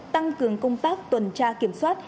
tăng cường công tác tuần tra kiểm soát